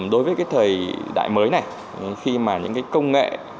đối với cái thời đại mới này khi mà những cái công nghệ